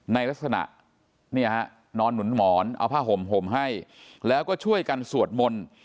ในลักษณะเนี่ยฮะนอนหนุนหมอนเอาผ้าห่มห่มให้แล้วก็ช่วยกันสวดมนต์